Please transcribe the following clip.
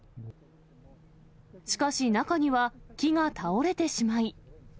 しかし、中には木が倒れてしまい。